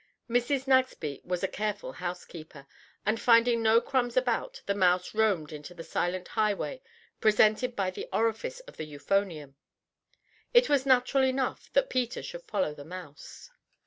Mrs. Nagsby was a careful housekeeper, and finding no crumbs about, the mouse roamed into the silent highway presented by the orifice of the euphonium. It was natural enough that Peter should follow the mouse.